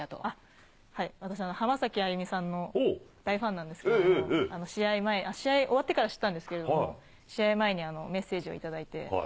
私、浜崎あゆみさんの大ファンなんですけれども、試合終わってから知ったんですけれども、試合前にメッセージを頂いて。